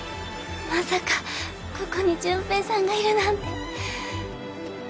まさかここに純平さんがいるなんて！